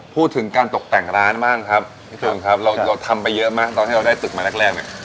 พูดถึงการตกแต่งร้านบ้างครับเราทำไปเยอะมากตอนที่เราได้ตึกมาแรกเนี่ย